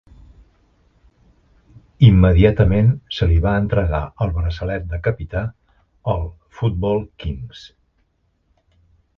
Immediatament se li va entregar el braçalet de capità al Football Kingz.